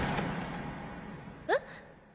えっ？